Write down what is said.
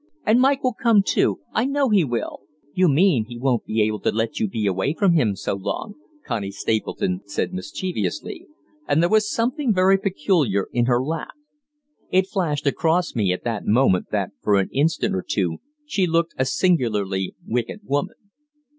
"And, Mike will come I know he will." "You mean he won't be able to let you be away from him so long," Connie Stapleton said mischievously, and there was something very peculiar in her laugh. It flashed across me at that moment that for an instant or two she looked a singularly wicked woman.